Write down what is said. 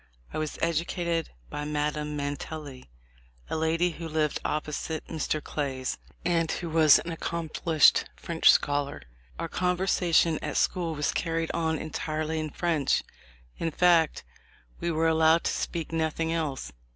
I was educated by Madame Mantelli, a lady who lived opposite Mr. Clay's, and who was an accom plished French scholar. Our conversation at school was carried on entirely in French — in fact we were allowed to speak nothing else.